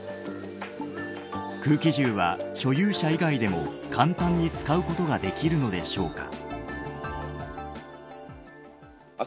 空気銃は、所有者以外でも簡単に使うことができるのでしょうか。